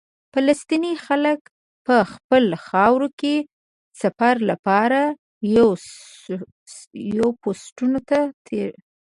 فلسطیني خلک په خپله خاوره کې سفر لپاره پوسټونو ته تېرېږي.